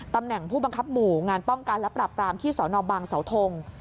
ตำแหน่งผู้บังคับหมู่งานป้องกันและปรับปรามที่สนบางเสาทง